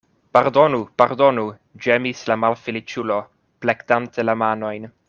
Pardonu, pardonu, ĝemis la malfeliĉulo, plektante la manojn.